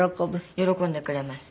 喜んでくれます。